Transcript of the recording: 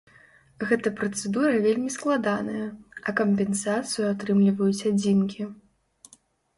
Гэта працэдура вельмі складаная, а кампенсацыю атрымліваюць адзінкі.